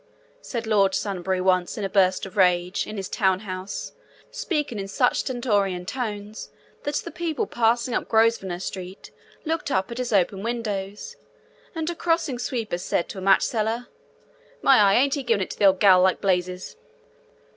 said Lord Sunbury once, in a burst of rage, in his town house, speaking in such stentorian tones that the people passing up Grosvenor Street looked up at his open windows, and a crossing sweeper said to a match seller, 'My eye! ain't he giving it to the old gal like blazes.'